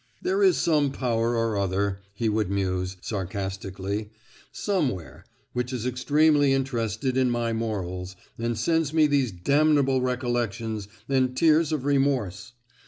"There is some power or other," he would muse, sarcastically, "somewhere, which is extremely interested in my morals, and sends me these damnable recollections and tears of remorse!